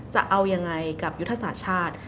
จะเอายังไงกับยุทธศาสตร์ชาติ